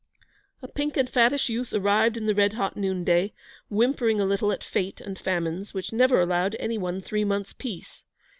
A pink and fattish youth arrived in the red hot noonday, whimpering a little at fate and famines, which never allowed any one three months' peace.